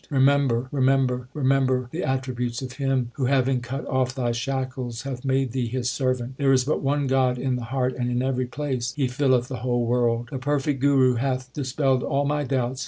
Remember, remember, remember the attributes of Him, Who having cut off thy shackles hath made thee His servant. There is but one God in the heart and in every place : He filleth the whole world. The perfect Guru hath dispelled all my doubts.